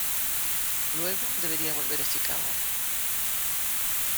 Luego debería volver a Chicago.